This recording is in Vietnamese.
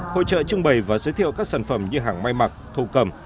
hội trợ trưng bày và giới thiệu các sản phẩm như hàng may mặc thổ cầm